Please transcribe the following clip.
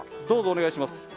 どうぞ、お願いします。